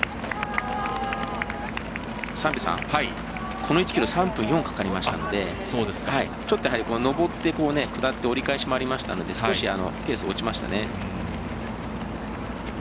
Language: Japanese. この１ｋｍ３分４かかりましたのでちょっと、上って下って折り返しもありましたので少しペースも落ちましたよね。